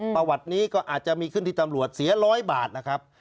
ประวัตินี้ก็อาจจะมีขึ้นที่ตำรวจเสียร้อยบาทนะครับ